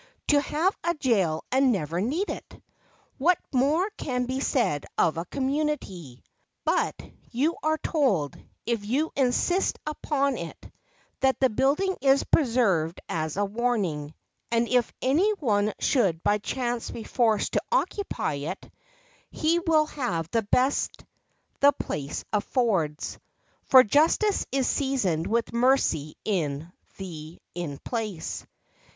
To have a jail and never need it! What more can be said of a community? But you are told if you insist upon it that the building is preserved as a warning, and if any one should by chance be forced to occupy it, "he will have the best the place affords" for justice is seasoned with mercy in the In Place.